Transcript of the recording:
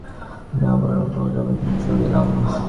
স্নান আহার ও একটু বিশ্রাম করিয়া আবার বাগবাজারে চলিলাম।